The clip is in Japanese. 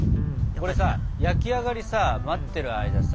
これさ焼き上がりさ待ってる間さ